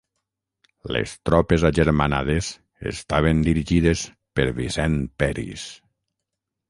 Les tropes agermanades estaven dirigides per Vicent Peris.